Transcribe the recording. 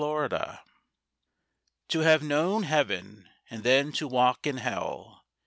Hagar To have known Heaven and then to walk in Hell!